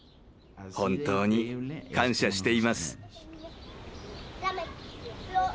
本当に感謝しています。